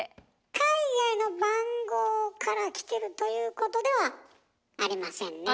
海外の番号からきてるということではありませんねえ。